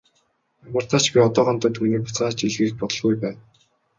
Ямартаа ч би одоохондоо түүнийг буцааж илгээх бодолгүй байна.